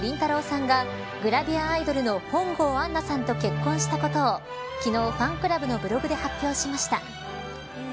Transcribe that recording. さんがグラビアアイドルの本郷杏奈さんと結婚したことを昨日ファンクラブのブログで発表しました。